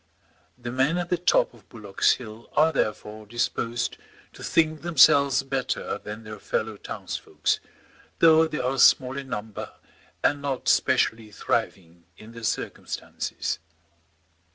The men at the top of Bullock's Hill are therefore disposed to think themselves better than their fellow townsfolks, though they are small in number and not specially thriving in their circumstances.